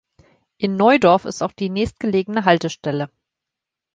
In Neudorf ist auch die nächstgelegene Haltestelle.